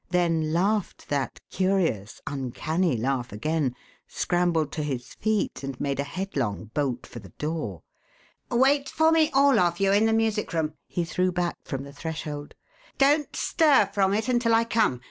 then laughed that curious, uncanny laugh again, scrambled to his feet and made a headlong bolt for the door. "Wait for me all of you in the music room," he threw back from the threshold. "Don't stir from it until I come.